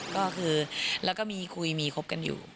ก็คือแล้วก็มีคุยมีคบกันอยู่